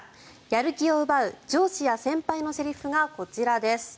やる気を奪う上司や先輩のセリフがこちらです。